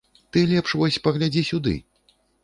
Ты лепш вось паглядзі сюды!